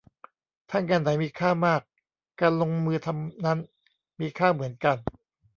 ถ้างานไหนมีค่ามาก การลงมือทำนั้นมีค่าเหมือนกัน